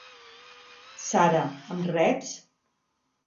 Sara, em reps?